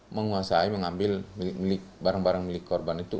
menguasai mengambil barang barang milik korban itu